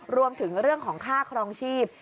รวมถึงเรื่องของค่าครองชีพ